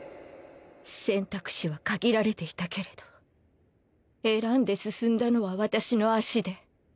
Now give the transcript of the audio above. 選択肢は限られていたけれど選んで進んだのは私の足で。